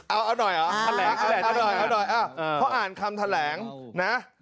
เอาหน่อยเหรอเอาหน่อยเขาอ่านคำแถลงนะ